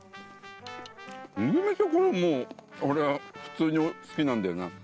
麦飯はこれもう俺は普通に好きなんだよな。